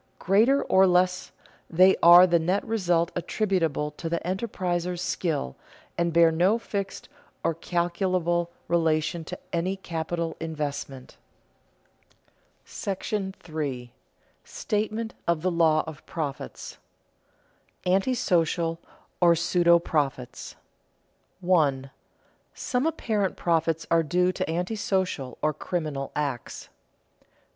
Greater or less, they are the net result attributable to the enterpriser's skill, and bear no fixed or calculable relation to any capital investment. § III. STATEMENT OF THE LAW OF PROFITS [Sidenote: Antisocial or pseudo profits] 1. _Some apparent profits are due to antisocial or criminal acts.